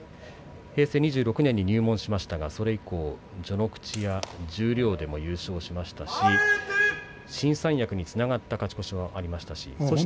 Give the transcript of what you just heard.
平成２６年に入門しましたがそれ以降も序ノ口、十両でも優勝しましたし新三役につながった勝ち越しもありました。